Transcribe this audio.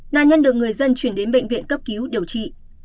nạn nhân được người dân chuyển đến bệnh viện cấp cứu điều trị